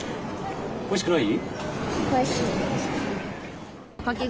おいしくない？